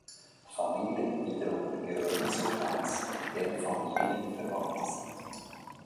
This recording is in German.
Familien wiederum gehören zu Clans, deren Familien verwandt sind.